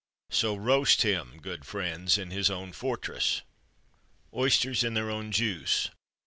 So roast him, good friends, in his own fortress. _Oysters in their own Juice.